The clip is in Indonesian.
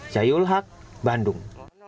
jayul haq bandung